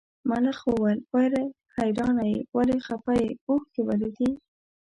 ملخ وویل ولې حیرانه یې ولې خپه یې اوښکي ولې دي.